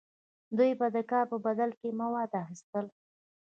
دوی به د کار په بدل کې مواد اخیستل.